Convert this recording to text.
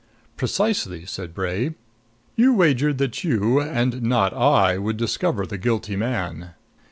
"Precisely," said Bray. "You wagered that you, and not I, would discover the guilty man.